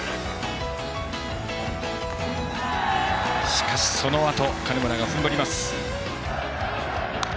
しかし、そのあと金村が踏ん張ります。